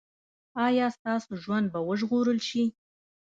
ایا ستاسو ژوند به وژغورل شي؟